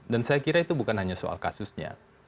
dan saya kira itu bukan hanya soal kasusnya